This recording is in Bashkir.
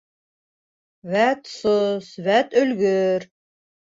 Вәт, сос, вәт, өлгөр!